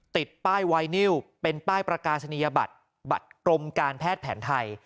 ติดป้ายไวนิวเป็นป้ายประกาศนียบัตรบัตรกรมการแพทย์แผนไทย